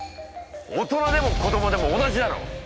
大人でも子どもでも同じだろ！